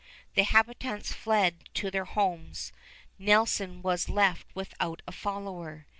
The habitants fled to their homes. Nelson was left without a follower.